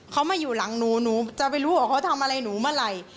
เขามาอยู่หลังหนูหนูจะไปรู้ว่าเขาทำอะไรหนูเมื่อไหร่